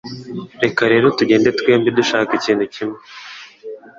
Reka rero tugende twembi dushaka ikintu kimwe